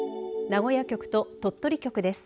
名古屋局と鳥取局です。